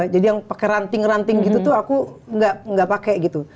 jadi yang pakai ranting ranting gitu tuh aku nggak pakai gitu